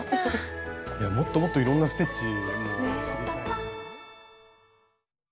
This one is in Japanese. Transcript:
もっともっといろんなステッチも知りたいし。